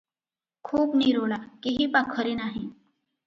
ଖୁବ୍ ନିରୋଳା, କେହି ପାଖରେ ନାହିଁ ।